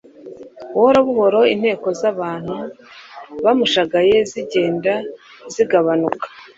Buhoro buhoro inteko z'abantu bamushagaye zigenda zigabanuka.